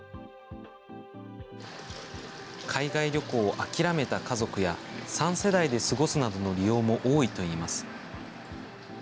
海外旅行を諦めた家族や、３世代で過ごすなどの利用も多いといいます。